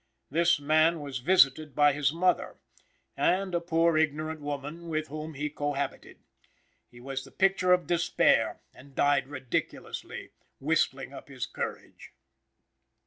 This man was visited by his mother and a poor, ignorant woman with whom he cohabited. He was the picture of despair, and died ridiculously, whistling up his courage.